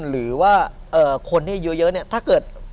หรือว่าคนที่เยอะเนี่ย